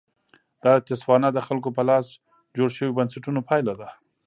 دا د تسوانا د خلکو په لاس جوړ شویو بنسټونو پایله ده.